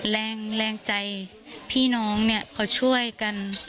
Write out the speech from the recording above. แรงใจพี่น้องเขาช่วยกัน